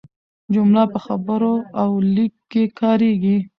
جمله په خبرو او لیک کښي کاریږي.